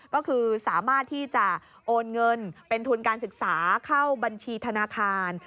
ก็คือสามารถที่จะโอนเงินเป็นทุนการศึกษาเข้าบัญชีธนาคาร